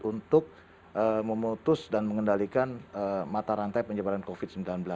untuk memutus dan mengendalikan mata rantai penyebaran covid sembilan belas